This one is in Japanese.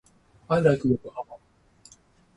横浜が好き。